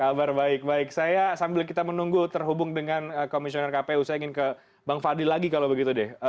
kabar baik baik saya sambil kita menunggu terhubung dengan komisioner kpu saya ingin ke bang fadli lagi kalau begitu deh